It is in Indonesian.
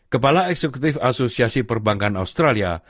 kepala eksekutif asosiasi perbankan australia